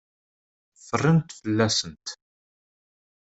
Ffrent fell-asent.